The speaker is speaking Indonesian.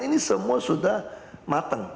ini semua sudah matang